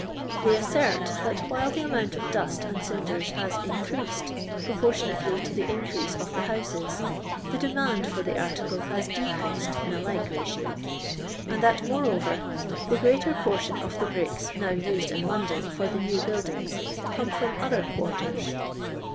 They assert, that while the amount of dust and cinders has increased proportionately to the increase of the houses, the demand for the article has decreased in a like ratio; and that, moreover, the greater portion UOSTDOlf LABOUR AND TBE LONDON PQfiM, 171 of the briokf mm vMd in LondoB for tho haw boOdingi come from other qnariert.